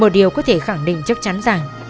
một điều có thể khẳng định chắc chắn rằng